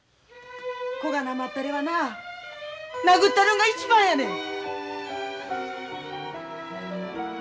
こがな甘ったれはな殴ったるんが一番やねん！